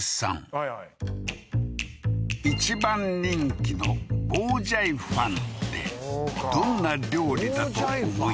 はいはい一番人気のボウジャイファンってどんな料理だと思います？